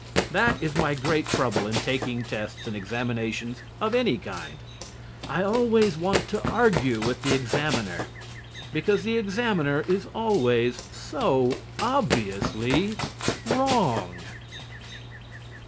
That is my great trouble in taking tests and examinations of any kind. I always want to argue with the examiner, because the examiner is always so obviously wrong.